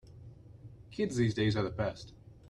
Kids these days are the best.